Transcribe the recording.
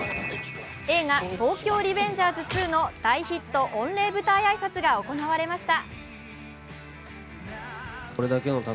映画「東京リベンジャーズ２」の大ヒット御礼舞台挨拶が行われました。